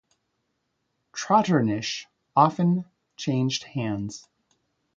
Trotternish often changed hands.